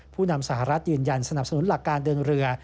ผู้นำสหรัฐยืนยันสนับสนุนหลักการเดินเรือ